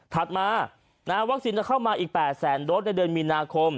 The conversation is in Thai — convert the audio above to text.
ถัดมาวัคซีนจะเข้ามาอีก๘แสนโดสในเดือนมีนาคม